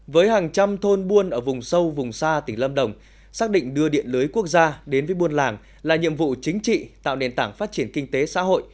với hàng trăm thôn buôn ở vùng sâu vùng xa tỉnh lâm đồng xác định đưa điện lưới quốc gia đến với buôn làng là nhiệm vụ chính trị tạo nền tảng phát triển kinh tế xã hội